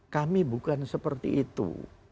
kami bukan seperti itu